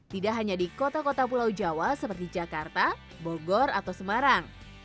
tidak hanya di kota kota pulau jawa seperti jakarta bogor atau semarang